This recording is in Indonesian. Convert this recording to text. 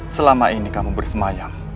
selama ini kamu bersemayam